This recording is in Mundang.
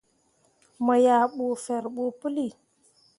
Mo yah ɓu ferɓo puli.